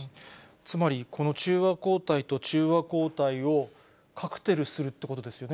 つまりこの中和抗体と中和抗体をカクテルするということですよね。